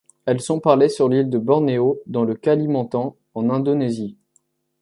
Elles sont parlées sur l'île de Bornéo, dans le Kalimantan, en Indonésie.